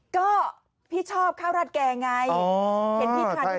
ก็พี่ชอบข้าวราดแกงไง